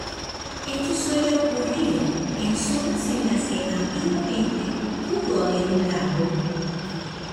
Esto suele ocurrir en zonas en las que antiguamente pudo haber un lago.